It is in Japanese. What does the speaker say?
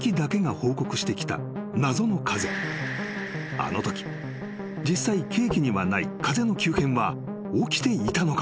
［あのとき実際計器にはない風の急変は起きていたのか？